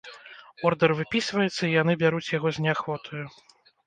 Ордэр выпісваецца, і яны бяруць яго з неахвотаю.